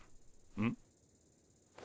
うん。